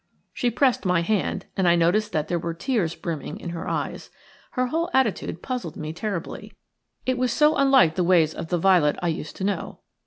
She pressed my hand, and I noticed that there were tears brimming in her eyes. Her whole attitude puzzled me terribly. It was so unlike the ways of the Violet I used to know.